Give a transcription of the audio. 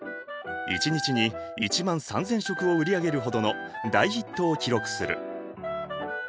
一日に１万３，０００食を売り上げるほどの大ヒットを記録する。